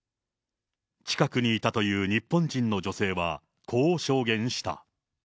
近くにいたという日本人の女性は、こう証言した。